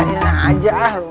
rodia muntah biasa aja